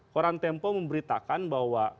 koran tempo memberitakan bahwa